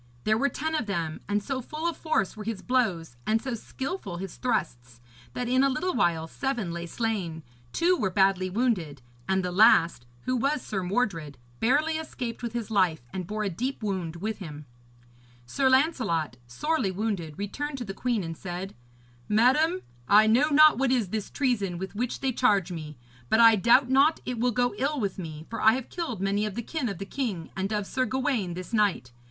There were ten of them, and so full of force were his blows and so skilful his thrusts, that in a little while seven lay slain, two were badly wounded, and the last, who was Sir Mordred, barely escaped with his life, and bore a deep wound with him. Sir Lancelot, sorely wounded, returned to the queen, and said: 'Madam, I know not what is this treason with which they charge me; but I doubt not it will go ill with me, for I have killed many of the kin of the king and of Sir Gawaine this night.